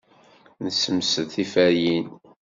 Nessemsed tiferyin.